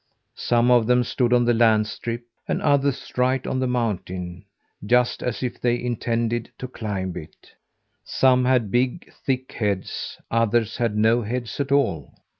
Some of them stood on the land strip, and others right on the mountain just as if they intended to climb it. Some had big, thick heads; others had no heads at all.